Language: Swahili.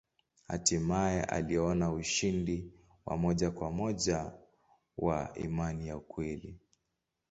Hatimaye aliona ushindi wa moja kwa moja wa imani ya kweli.